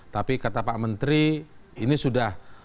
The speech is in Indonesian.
tapi kata pak menteri ini sudah